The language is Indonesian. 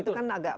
itu kan agak